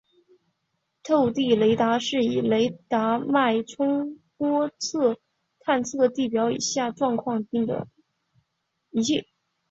透地雷达是以雷达脉冲波探测地表以下状况并的仪器。